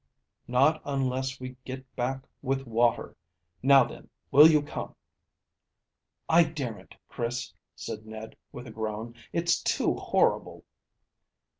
"Not unless we get back with water. Now then, will you come?" "I daren't, Chris," said Ned, with a groan; "it's too horrible."